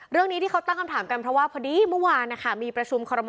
เรื่องที่เขาตั้งก้นต่างกันเพราะว่าพอดีมึงว่านะก็มีประชุมคอรมอ